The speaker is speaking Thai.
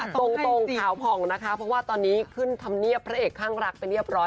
ตรงขาวผ่องนะคะเพราะว่าตอนนี้ขึ้นธรรมเนียบพระเอกข้างรักไปเรียบร้อย